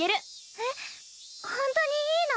えっホントにいいの？